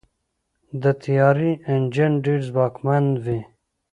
د طیارې انجن ډېر ځواکمن وي.